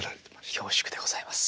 恐縮でございます。